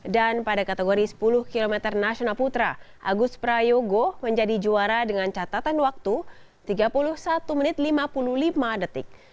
dan pada kategori sepuluh km nasional putra agus prayogo menjadi juara dengan catatan waktu tiga puluh satu menit lima puluh lima detik